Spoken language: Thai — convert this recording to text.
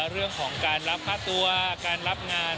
เรื่องของการรับค่าตัวการรับงาน